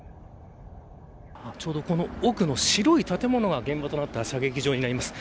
ちょうど、この奥の白い建物が現場となった射撃場です。